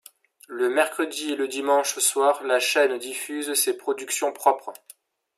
Le mercredi et le dimanche soir, la chaîne diffuse ses productions propres.